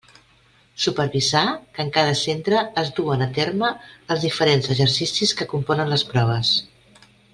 Supervisar que en cada centre es duen a terme els diferents exercicis que componen les proves.